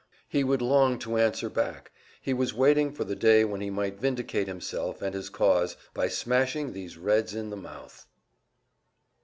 He would long to answer back; he was waiting for the day when he might vindicate himself and his cause by smashing these Reds in the mouth.